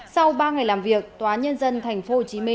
sau ba ngày làm việc tòa nhân dân tp hcm